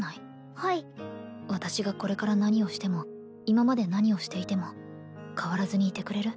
はい私がこれから何をしても今まで何をしていても変わらずにいてくれる？